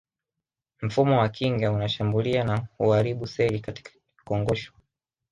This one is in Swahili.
Mfumo wa kinga unashambulia na huharibu seli katika kongosho